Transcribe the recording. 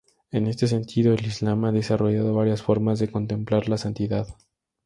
En este sentido, el Islam ha desarrollado varias formas de contemplar la santidad.